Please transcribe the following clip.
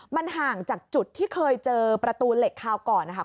มันห่างจากจุดที่เคยเจอประตูเหล็กคราวก่อนนะครับ